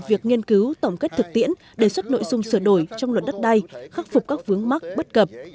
việc nghiên cứu tổng kết thực tiễn đề xuất nội dung sửa đổi trong luật đất đai khắc phục các vướng mắc bất cập